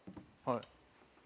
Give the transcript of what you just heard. はい。